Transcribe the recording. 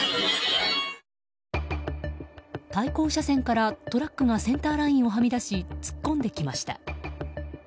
対向車線からトラックがセンターラインをはみ出し突っ込んできました。